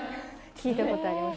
聞いたことあります